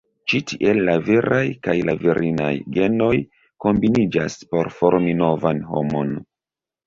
Ĉi tiel la viraj kaj la virinaj genoj kombiniĝas por formi novan homon.